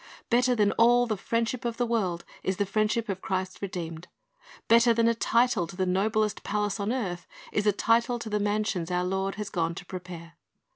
Better than all the friendship of the world is the friendship of Christ's redeemed. Better than a title to the noblest palace on earth is a title to the mansions our Lord has gone to prepare.